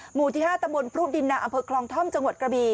หมู่ที่๕ตำบลพรุดินนาอำเภอคลองท่อมจังหวัดกระบี